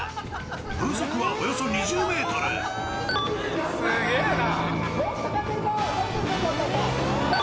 風速はおよそ２０ｍすげぇな！